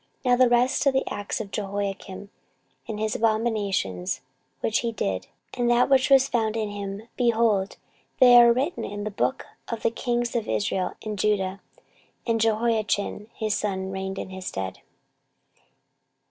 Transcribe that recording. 14:036:008 Now the rest of the acts of Jehoiakim, and his abominations which he did, and that which was found in him, behold, they are written in the book of the kings of Israel and Judah: and Jehoiachin his son reigned in his stead.